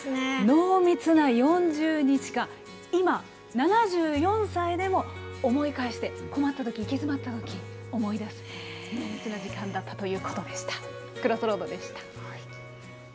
濃密な４０日間、今、７４歳でも思い返して、困ったとき、行き詰まったとき、思い出す濃密な時間だったということです。